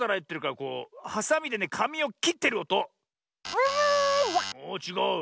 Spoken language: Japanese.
おちがう。